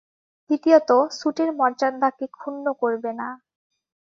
দ্বিতীয়ত, স্যুটের মর্যাদাকে ক্ষুণ্ণ করবে না।